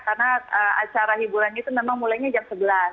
karena acara hiburan itu memang mulainya jam sebelas